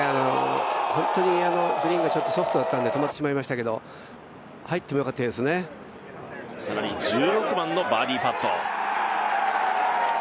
本当にグリーンがちょっとソフトだったので止まってしまいましたけどさらに１６番のバーディーパット。